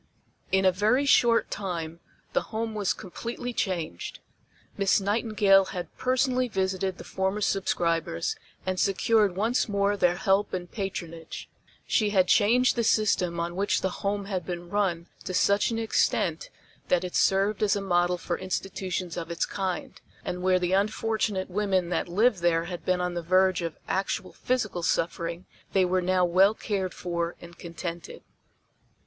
In a very short time the Home was completely changed. Miss Nightingale had personally visited the former subscribers, and secured once more their help and patronage. She had changed the system on which the Home had been run to such an extent that it served as a model for institutions of its kind, and where the unfortunate women that lived there had been on the verge of actual physical suffering, they were now well cared for and contented.